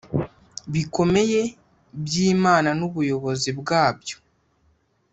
bikomeye byimana nubuyobozi bwabyo